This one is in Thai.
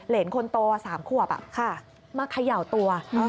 เหรนคนโต๓ขวบมาเขย่าตัว